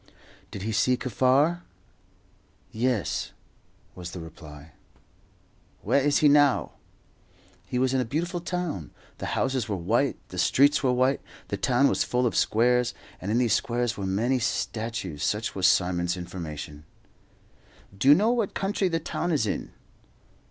Did he see Kaffar? "Yes," was the reply. "Where is he now?" He was in a beautiful town. The houses were white, the streets were white; the town was full of squares, and in these squares were many statues. Such was Simon's information. "Do you know what country the town is in?"